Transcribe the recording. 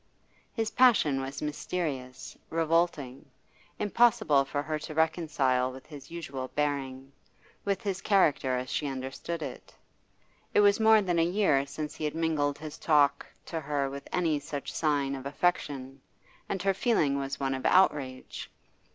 His passion was mysterious, revolting impossible for her to reconcile with his usual bearing, with his character as she understood it. It was more than a year since he had mingled his talk to her with any such sign of affection, and her feeling was one of outrage.